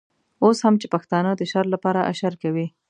اوس هم چې پښتانه د شر لپاره اشر کوي.